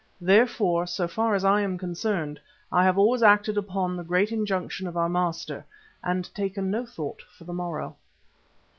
Therefore, so far as I am concerned, I have always acted up to the great injunction of our Master and taken no thought for the morrow.